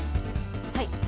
はい。